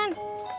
nanti sama ya su